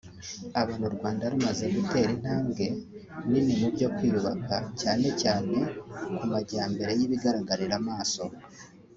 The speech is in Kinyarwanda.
abona u Rwanda rumaze gutera intambwe nini mubyo kwiyubaka cyane cyane ku majyambere y’ibigaragarira amaso